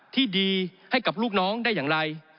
ที่ดีให้กับลูกน้องได้อย่างไร